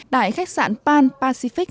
tại khách sạn pan pacific